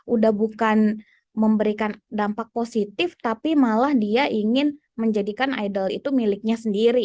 udah bukan memberikan dampak positif tapi malah dia ingin menjadikan idol itu miliknya sendiri